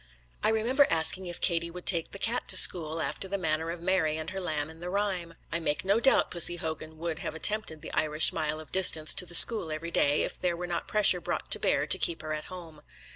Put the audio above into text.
I remember asking if Katie would take the cat to school, after the manner of Mary and her lamb in the rhyme. I make no doubt Pussy Hogan would have attempted the Irish mile of distance to the school every day, if there were not pressure brought to bear to keep her at home.